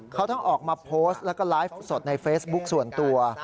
เขาทั้งออกมาโพสต์แล้วก็ไลฟ์สดในเฟซบุ๊คส่วนตัว